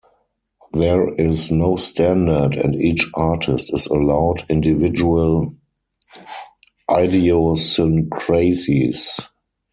There is no standard, and each artist is allowed individual idiosyncrasies.